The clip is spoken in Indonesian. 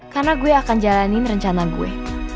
karena gue akan jalanin rencana gue